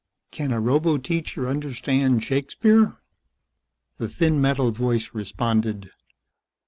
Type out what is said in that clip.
Can a roboteacher understand Shakespeare?" The thin metal voice responded.